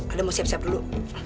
anda mau siap siap dulu